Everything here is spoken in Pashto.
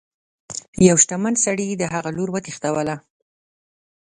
یوه شتمن سړي د هغه لور وتښتوله.